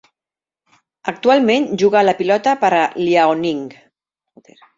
Actualment juga a la pilota per a Liaoning.